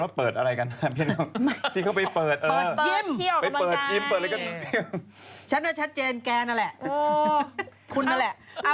ที่เขาเป็นเหมาที่ไปเปิดกันนะอ๋อ